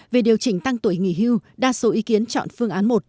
về điều chỉnh tăng tuổi nghỉ hưu đa số ý kiến chọn phương án một